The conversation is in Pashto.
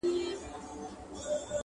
پر هېزګاره وو سایه د پاک سبحان وو-